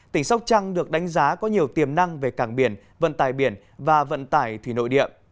tỉnh sóc trăng được đánh giá có nhiều tiềm năng về cảng biển vận tài biển và vận tải thủy nội địa